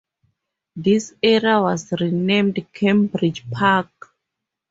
This area was renamed Cambridge Park.